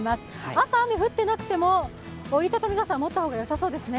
朝雨降ってなくても折り畳み傘は持った方がよさそうですね。